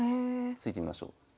突いてみましょう。